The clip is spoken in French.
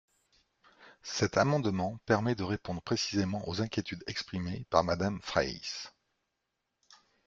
Cet amendement permet de répondre précisément aux inquiétudes exprimées par Madame Fraysse.